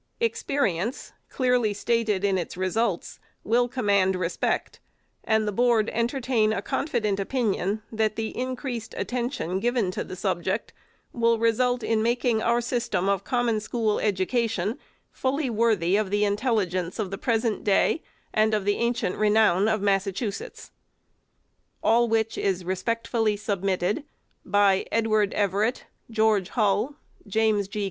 Experience, clearly stated in its results, will com mand respect, and the Board entertain a confident opinion that the increased attention given to the subject will re sult in making our system of Common School education fully worthy of the intelligence of the present day, and of the ancient renown of Massachusetts. All which is respectfully submitted by EDWARD EVERETT, GEORGE HULL, JAMES G.